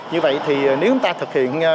như vậy thì nếu chúng ta thực hiện